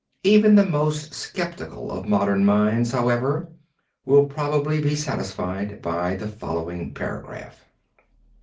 Even the most skeptical of modern minds however, will probably be satisfied by the following paragraph.